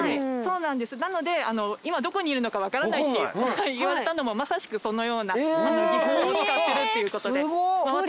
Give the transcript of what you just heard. なので今どこにいるのか分からないって言われたのもまさしくそのような技法を使ってるっていうことで。